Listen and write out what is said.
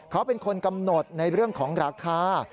เขาเป็นคนกำหนดในเรื่องของราคา